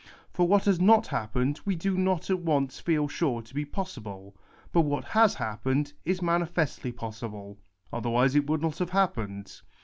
For what has not happened we do not at once feel sure to be possible ; but what has happened is manifestly possible ; otherwise it would not have happened.